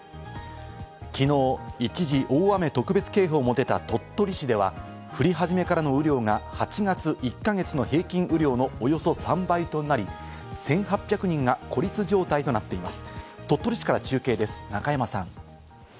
きのう、一時、大雨特別警報を出た鳥取市では、降り始めからの雨量が８月１か月の平均雨量のおよそ３倍となり、１８００人が孤立状態となっています。